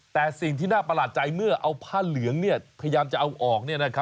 แต่สิ่งที่น่าประหลาดใจเมื่อเอาผ้าเหลืองพยายามจะเอาออก